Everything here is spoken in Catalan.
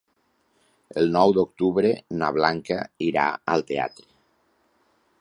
El nou d'octubre na Blanca irà al teatre.